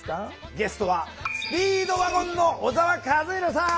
ゲストはスピードワゴンの小沢一敬さん。